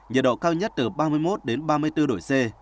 nhiệt độ cao nhất từ ba mươi một đến ba mươi bốn độ c